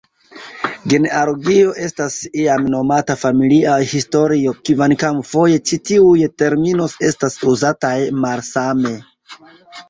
Genealogio estas iam nomata familia historio, kvankam foje ĉi tiuj terminoj estas uzataj malsame.